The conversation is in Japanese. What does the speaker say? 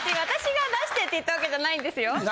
私が出してって言ったわけじゃないんですよ！